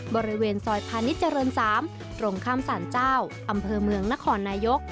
บริเวณซอยพาณิชยเจริญ๓ตรงข้ามสารเจ้าอำเภอเมืองนครนายก